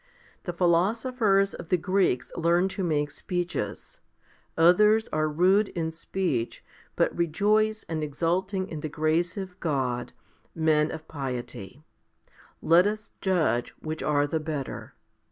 The philosophers of the Greeks learn to make speeches; others are rude in speech* but rejoicing and exulting in the grace of God, men of piety. Let us judge which are the better.